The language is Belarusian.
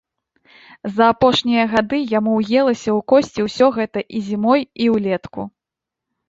За апошнія гады яму ўелася ў косці ўсё гэта і зімой, і ўлетку.